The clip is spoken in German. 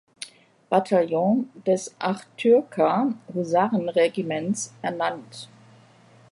Bataillons des Achtyrka-Husarenregiments ernannt.